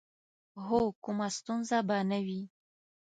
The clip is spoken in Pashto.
هو، کومه ستونزه به نه وي.